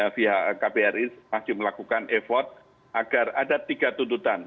pihak kbri masih melakukan effort agar ada tiga tuntutan